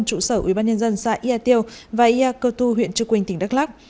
ủy ban nhân dân xã ia tiêu và ia cơ thu huyện trư quỳnh tỉnh đắk lắc